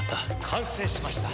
完成しました。